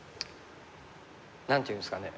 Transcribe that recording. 何ていうんですかね。